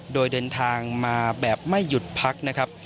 โดยเดินทางมาแบบไม่หยุดพักนะครับ